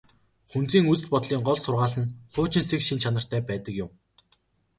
Күнзийн үзэл бодлын гол сургаал нь хуучинсаг шинж чанартай байдаг юм.